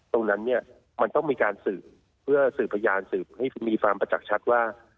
ตรงนั้นเนี่ยมันต้องมีการสืบเพื่อสืบพยานสืบให้มีความประจักษ์ชัดว่า